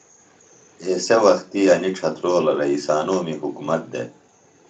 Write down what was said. ایسےۡ وختی انیۡ ڇھترولہ رئیسانومی حُکومت دےۡ